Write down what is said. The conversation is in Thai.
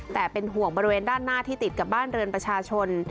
แต่เป็นห่วงบริเวณด้านหน้าที่ติดกับบ้านเรือนประชาชน